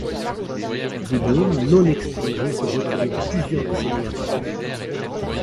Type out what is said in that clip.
Des bombes non explosées sont retrouvées plusieurs décennies après.